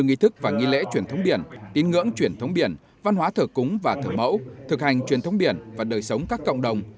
nghi thức và nghi lễ truyền thống biển tín ngưỡng truyền thống biển văn hóa thờ cúng và thờ mẫu thực hành truyền thống biển và đời sống các cộng đồng